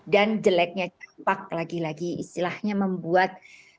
dan jeleknya campak lagi lagi istilahnya membuat